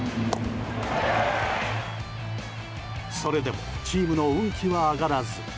それでもチームの運気は上がらず。